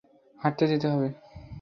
হাটতে যেতে হবে।